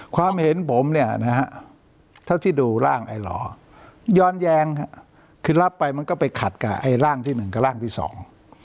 ความเห็นผมเนี่ยนะฮะเท่าที่ดูร่างไอหล่อย้อนแย้งคือรับไปมันก็ไปขัดกับไอ้ร่างที่หนึ่งกับร่างที่สอง